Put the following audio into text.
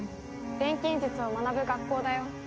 錬金術を学ぶ学校だよ。